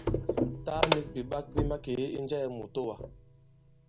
Taa nik bìɓak bi makee i njɛɛ mitowa.